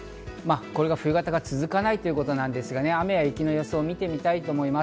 冬型が続かないということなんですが、雨や雪の予想を見てみたいと思います。